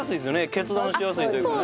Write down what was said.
決断しやすいというかね。